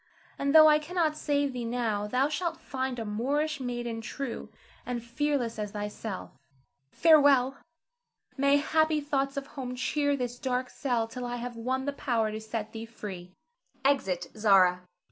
And though I cannot save thee now, thou shalt find a Moorish maiden true and fearless as thyself. Farewell! May happy thoughts of home cheer this dark cell till I have won the power to set thee free. [Exit Zara.